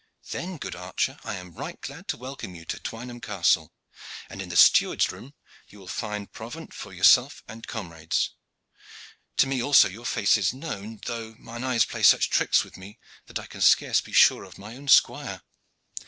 "Then, good archer, I am right glad to welcome you to Twynham Castle, and in the steward's room you will find provant for yourself and comrades. To me also your face is known, though mine eyes play such tricks with me that I can scarce be sure of my own squire.